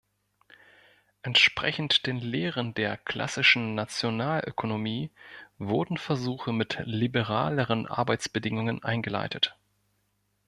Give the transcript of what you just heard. Entsprechend den Lehren der klassischen Nationalökonomie wurden Versuche mit liberaleren Arbeitsbedingungen eingeleitet.